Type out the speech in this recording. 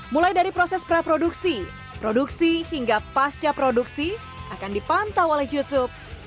mulai dari proses praproduksi produksi hingga pasca produksi akan dipantau oleh youtube